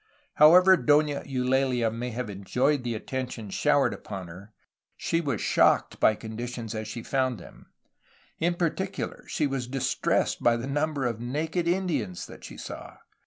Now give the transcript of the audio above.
However Dona Eulalia may have enjoyed the attentions showered upon her, she was shocked by conditions as she found them. In particular she was distressed by the number of naked Indians that she saw.